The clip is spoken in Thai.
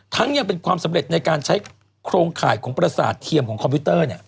ยังเป็นความสำเร็จในการใช้โครงข่ายของประสาทเทียมของคอมพิวเตอร์